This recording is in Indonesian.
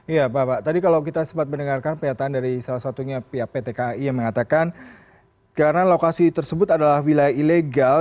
iya bapak tadi kalau kita sempat mendengarkan pernyataan dari salah satunya pihak pt kai yang mengatakan karena lokasi tersebut adalah wilayah ilegal